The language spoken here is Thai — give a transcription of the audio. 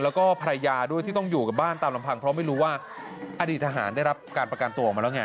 แล้วก็ภรรยาด้วยที่ต้องอยู่กับบ้านตามลำพังเพราะไม่รู้ว่าอดีตทหารได้รับการประกันตัวออกมาแล้วไง